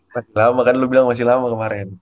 masih lama kan lu bilang masih lama kemarin